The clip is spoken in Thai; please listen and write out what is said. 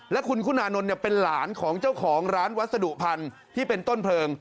และคุณคุณานนท์เป็นหลานของเจ้าของร้านวัสดุพันธุ์ที่เป็นต้นเพลิง